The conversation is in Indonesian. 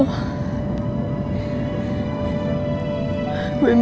lo harus tunangan sama mel